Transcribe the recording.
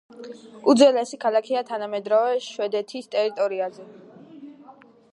უძველესი ქალაქია თანამედროვე შვედეთის ტერიტორიაზე.